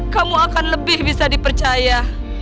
kamu akan lebih bisa dipercaya